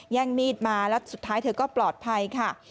แย่งมีดมาแล้วสุดท้ายเธอก็ปลอดภัยค่ะ